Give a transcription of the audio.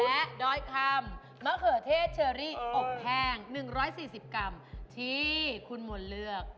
และด้อยคำมะเขือเทศเชอรี่อบแห้ง๑๔๐กรัมที่คุณมนต์เลือก